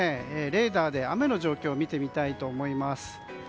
レーダーで雨の状況を見てみたいと思います。